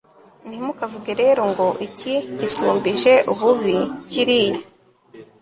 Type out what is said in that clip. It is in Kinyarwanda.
ntimukavuge rero ngo iki gisumbije ububi kiriya